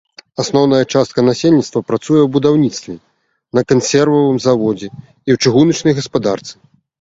Асноўная частка насельніцтва працуе ў будаўніцтве, на кансервавым заводзе і ў чыгуначнай гаспадарцы.